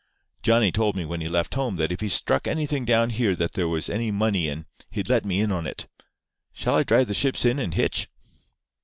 Johnny told me when he left home that if he struck anything down here that there was any money in he'd let me in on it. Shall I drive the ships in and hitch?"